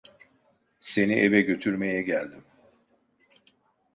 Seni eve götürmeye geldim.